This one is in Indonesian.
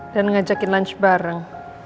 dan ngajakin lunch bareng